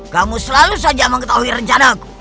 kamu selalu saja mengetahui rencana aku